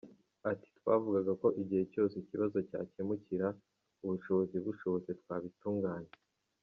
Ati “Twavugaga ko igihe cyose ikibazo cyakemukira, ubushobozi bushobotse twabitunganya.